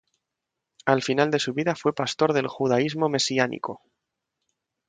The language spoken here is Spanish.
Al final de su vida fue pastor del judaísmo mesiánico.